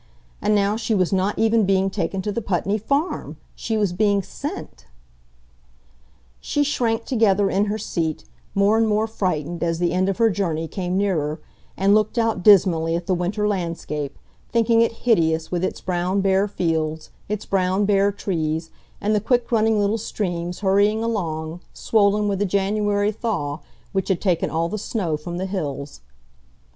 And now she was not even being taken to the Putney Farm! She was being sent! She shrank together in her seat, more and more frightened as the end of her journey came nearer, and looked out dismally at the winter landscape, thinking it hideous with its brown bare fields, its brown bare trees, and the quick running little streams hurrying along, swollen with the January thaw which had taken all the snow from the hills.